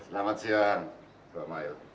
selamat siang pak mail